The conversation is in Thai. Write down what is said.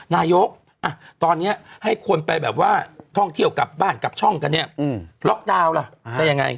นายกตอนนี้ให้คนไปแบบว่าท่องเที่ยวกลับบ้านกลับช่องกันเนี่ยล็อกดาวน์ล่ะจะยังไง